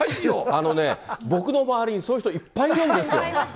あのね、僕の周りにそういう人、いっぱいいるんですよ。